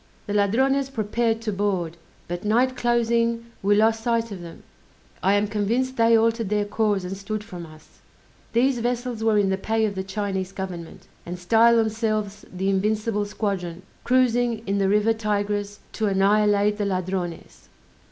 The Ladrones prepared to board; but night closing we lost sight of them: I am convinced they altered their course and stood from us. These vessels were in the pay of the Chinese government, and style themselves the Invincible Squadron, cruising in the river Tigris to annihilate the Ladrones!